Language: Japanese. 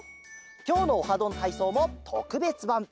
きょうの「オハどんたいそう」もとくべつばん。